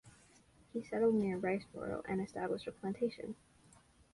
He settled near Riceboro and established a plantation.